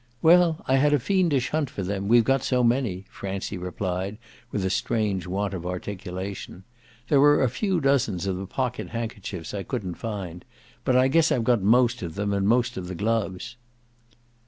"Well, I had a fiendish hunt for them we've got so many," Francie replied with a strange want of articulation. "There were a few dozens of the pocket handkerchiefs I couldn't find; but I guess I've got most of them and most of the gloves."